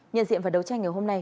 nhân diện và đấu tranh ngày hôm nay